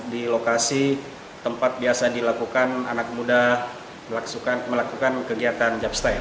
di lokasi tempat biasa dilakukan